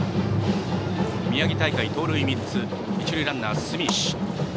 宮城大会では盗塁３つの一塁ランナーの住石。